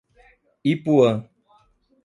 Ipuã